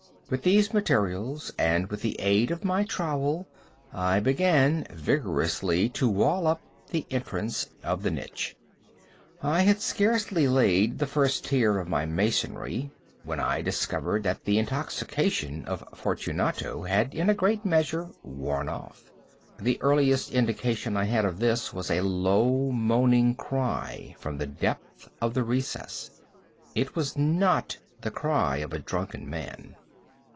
With these materials and with the aid of my trowel, I began vigorously to wall up the entrance of the niche. I had scarcely laid the first tier of my masonry when I discovered that the intoxication of Fortunato had in a great measure worn off. The earliest indication I had of this was a low moaning cry from the depth of the recess. It was not the cry of a drunken man.